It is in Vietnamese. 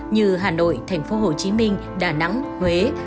như hà nội tp hcm đà nẵng huế